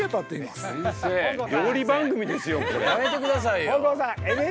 やめて下さいよ。